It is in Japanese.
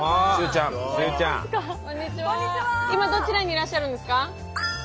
今どちらにいらっしゃるんですか？